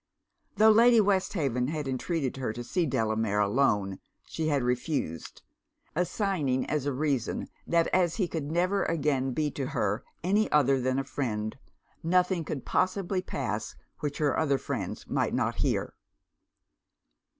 Tho' Lady Westhaven had entreated her to see Delamere alone, she had refused; assigning as a reason that as he could never again be to her any other than a friend, nothing could possibly pass which her other friends might not hear.